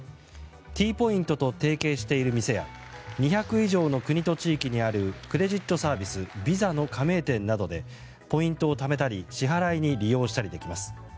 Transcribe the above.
Ｔポイントと提携している店や２００以上の国と地域にあるクレジットサービスＶｉｓａの加盟店などでポイントをためたり支払いに利用したりできます。